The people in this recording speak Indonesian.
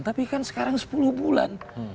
tapi kan sekarang sepuluh bulan